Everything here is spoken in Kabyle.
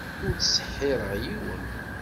Ur ttseḥḥireɣ yiwen.